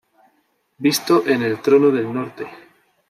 Visto en El Trono del Norte.